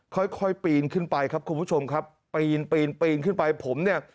ค่อยค่อยปีนขึ้นไปครับคุณผู้ชมครับปีนปีนปีนขึ้นไปผมเนี่ย